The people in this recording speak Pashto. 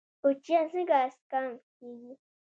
کوچیان څنګه اسکان کیږي؟